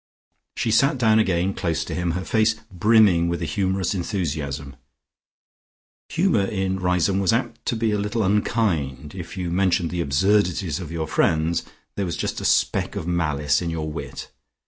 She sat down again close to him, her face brimming with a humorous enthusiasm. Humour in Riseholme was apt to be a little unkind; if you mentioned the absurdities of your friends, there was just a speck of malice in your wit.